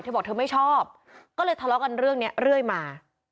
บอกเธอไม่ชอบก็เลยทะเลาะกันเรื่องนี้เรื่อยมา